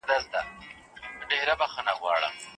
که بخښنه وکړئ نو زړه به مو ارام سي.